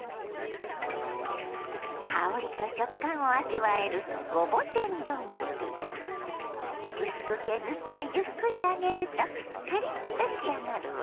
香りと食感を味わえる薄く削ってゆっくり揚げるとカリッと仕上がるわ。